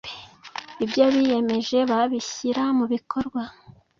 ibyo biyemeje babishyira mu bikorwa